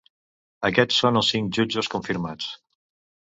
Aquests són els cinc jutges confirmats.